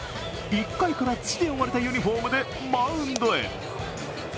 １回から土で汚れたユニフォームでマウンドへ。